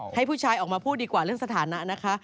ให้ผู้ชายออกมาพูดดีกว่าเรื่องสถานะนะคะ